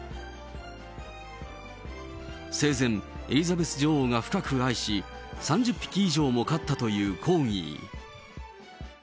生前、エリザベス女王が深く愛し、３０匹以上も飼ったというコーギー。